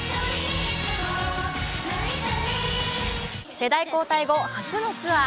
世代交代後、初のツアー。